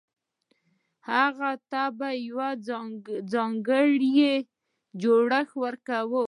هغه ته به يو ځانګړی جوړښت ورکړي.